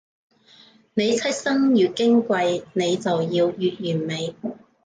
你出身越矜貴，你就要越完美